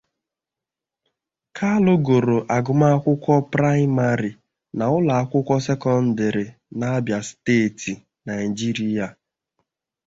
Kalu gụrụ agụmakwụkwọ praịmarị na ụlọ akwụkwọ sekọndrị na Abia Steeti, Naịjirịa.